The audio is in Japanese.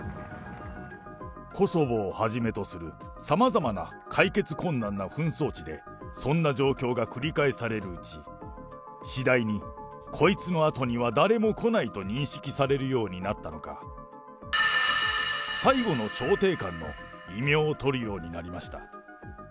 コソボをはじめとするさまざまな解決困難な紛争地で、そんな状況が繰り返されるうち、次第にこいつのあとには誰も来ないと認識されるようになったのか、最後の調停官の異名をとるようになりました。